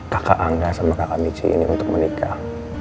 kakak angga sama kakak michi ini untuk menikah